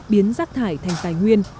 biến rác thải thành tài nguyên